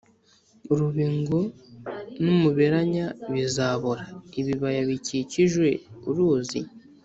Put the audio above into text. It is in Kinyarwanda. Urubingo n umuberanya bizabora Ibibaya bikikije uruzi